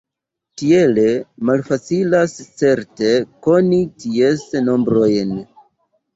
Tiele malfacilas certe koni ties nombrojn.